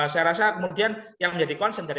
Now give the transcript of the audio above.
saya rasa kemudian yang menjadi concern dari